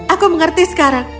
aku mengerti sekarang